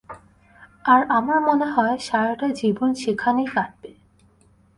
আর আমার মনে হয়, সারাটাজীবন সেখানেই কাটবে।